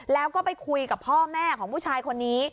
แล้วก็ไปคุยกับพ่อแม่ของผู้ชายคนนี้